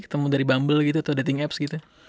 ketemu dari bumble gitu atau dating apps gitu